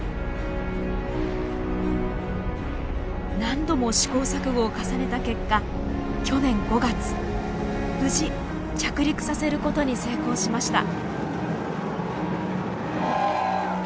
何度も試行錯誤を重ねた結果去年５月無事着陸させることに成功しました。